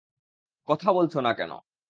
কথা বলছ না কেন?